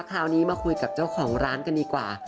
คราวนี้มาคุยกับเจ้าของร้านกันดีกว่า